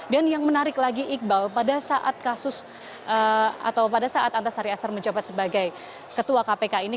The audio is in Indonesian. dan yang menarik lagi iqbal pada saat kasus atau pada saat antasari azhar mencapai sebagai ketua kpk ini